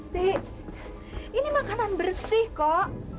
dek ini makanan bersih kok